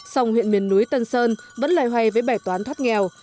song huyện miền núi tân sơn vẫn loay hoay với bài toán thoát nghèo